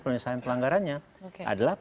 penyelesaian pelanggarannya adalah